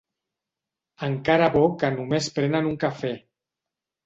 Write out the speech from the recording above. Encara bo que només prenen un cafè.